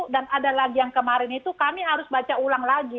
dan ada lagi yang kemarin itu kami harus baca ulang lagi